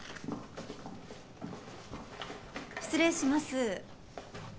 失礼します。